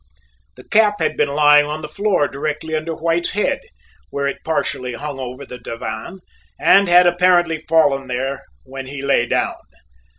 The cap had been lying on the floor directly under White's head, where it partially hung over the divan, and had apparently fallen there when he lay down.